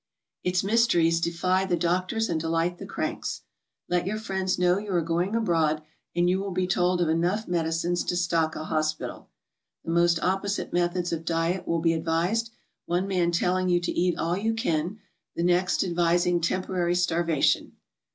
Its mysteries defy | the doctors and delight the cranks. Let your friends know | you are going abroad and you will be told of enough medi \ cines to stock a hospital. The most opposite methods of diet ? will be advised, one man telling you to eat all you can, the ^| next advising temporary starvation.